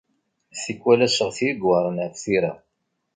Tikwal aseɣti i iweɛren ɣef tira.